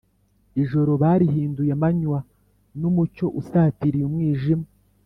ijoro barihinduye amanywa, n’umucyo usatiriye umwijima